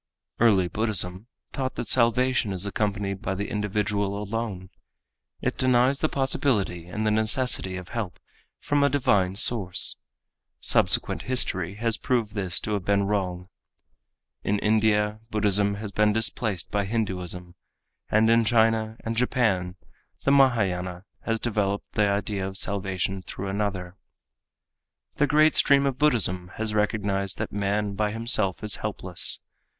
Early Buddhism taught that salvation is accomplished by the individual alone. It denies the possibility and the necessity of help from a divine source. Subsequent history has proved this to have been wrong. In India, Buddhism has been displaced by Hinduism, and in China, and Japan, the Mahâyâna has developed the idea of salvation through another. The great stream of Buddhism has recognized that man by himself is helpless.